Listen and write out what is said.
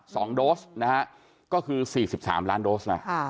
โดสนะฮะก็คือสี่สิบสามล้านโดสนะค่ะ